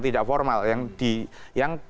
tidak formal yang